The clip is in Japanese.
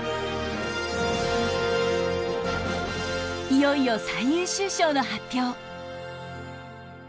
いよいよ最優秀賞の発表。